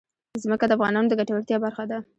ځمکه د افغانانو د ګټورتیا برخه ده.